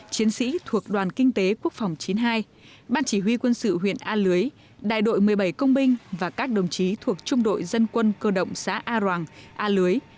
chiến sĩ thuộc đoàn kinh tế quốc phòng chín mươi hai ban chỉ huy quân sự huyện a lưới đại đội một mươi bảy công binh và các đồng chí thuộc trung đội dân quân cơ động xã a ròng a lưới